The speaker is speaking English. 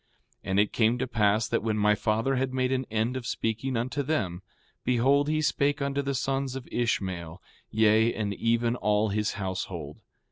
4:10 And it came to pass that when my father had made an end of speaking unto them, behold, he spake unto the sons of Ishmael, yea, and even all his household.